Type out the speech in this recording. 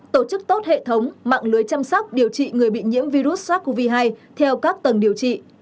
tổ chức tốt hệ thống mạng lưới chăm sóc điều trị người bị nhiễm virus sars cov hai theo các tầng điều trị